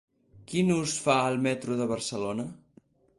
Quin ús fa el metro de Barcelona?